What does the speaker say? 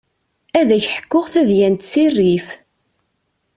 Ad ak-ḥkuɣ tadyant si rrif.